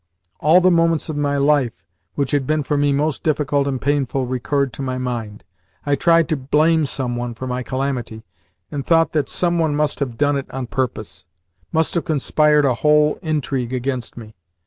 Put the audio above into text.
All the moments in my life which had been for me most difficult and painful recurred to my mind. I tried to blame some one for my calamity, and thought that some one must have done it on purpose must have conspired a whole intrigue against me.